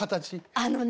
あのね